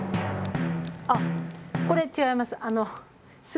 あこれ違います。